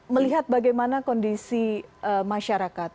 melihat bagaimana kondisi masyarakat